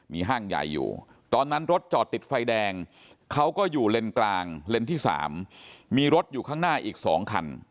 มีห้างใหญ่อยู่ตอนนั้นรถจอดติดไฟแดงเขาก็อยู่เลนกลางเลนส์ที่๓มีรถอยู่ข้างหน้าอีก๒คัน